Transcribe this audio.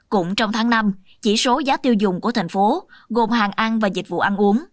cũng trong tháng năm chỉ số giá tiêu dùng của thành phố gồm hàng ăn và dịch vụ ăn uống